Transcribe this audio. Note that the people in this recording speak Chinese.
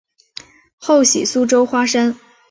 后徙苏州花山。